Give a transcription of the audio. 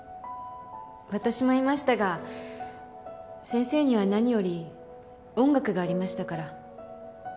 私もいましたが先生には何より音楽がありましたから。